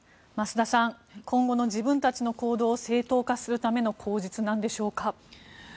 増田さん今後の自分たちの行動を正当化するための口実なんでしょうか。